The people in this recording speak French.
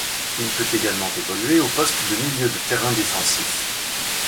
Il peut également évoluer au poste de milieu de terrain défensif.